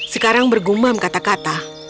sekarang bergumam kata kata